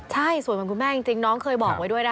ใช่สวยเหมือนคุณแม่จริงน้องเคยบอกไว้ด้วยนะคะ